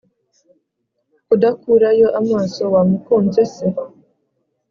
kudakurayo amaso wamukunze se